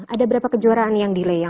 ada berapa kejuaraan yang delay ya